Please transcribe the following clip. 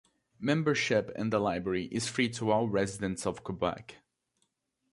Membership in the library is free to all residents of Quebec.